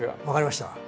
分かりました。